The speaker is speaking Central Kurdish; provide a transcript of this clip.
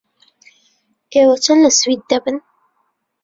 ئێوە چەند لە سوید دەبن؟